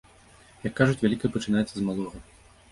Як кажуць, вялікае пачынаецца з малога.